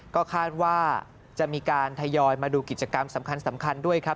ก็คาดว่าจะมีการทยอยมาดูกิจกรรมสำคัญด้วยครับ